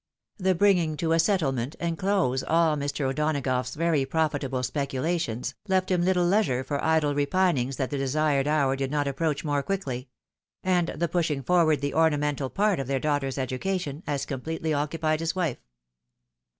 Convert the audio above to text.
The bringing to a settlement and close aU Mr. O'Donagough's very profitable speculations, left him little leisure for idle repinings that the desired hour did not approach more quickly ; and the pushing forward the orna mental part of their daughter's education, as completely occu pied his wife.